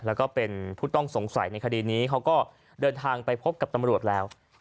แล้วก็เป็นผู้ต้องสงสัยในคดีนี้เขาก็เดินทางไปพบกับตำรวจแล้ว